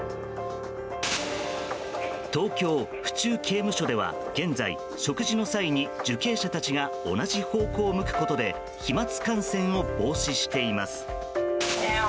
東京・府中刑務所では現在食事の際に受刑者たちが同じ方向を向くことで飛沫感染を防止しています。